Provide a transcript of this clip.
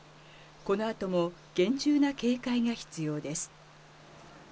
このあとも厳重な警戒が必要です。